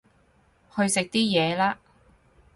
去食啲嘢啦